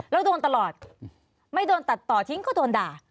แล้วโดนตลอดไม่โดนตัดต่อทิ้งก็โดนด่า